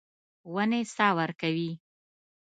ونې سا ورکوي.